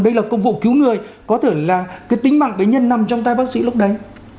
đây là công vụ cứu người có thể là cái tính mạng bệnh nhân nằm trong tay bác sĩ lúc đấy